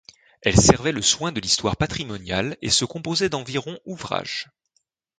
Elle servait le soin de l’histoire patrimoniale et se composait d’environ ouvrages.